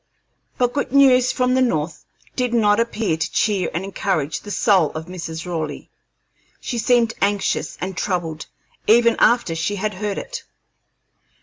But good news from the North did not appear to cheer and encourage the soul of Mrs. Raleigh. She seemed anxious and troubled even after she had heard it.